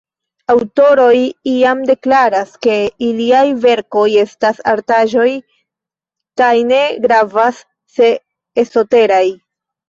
Aŭtoroj iam deklaras, ke iliaj verkoj estas artaĵoj, kaj ne gravas, se esoteraj.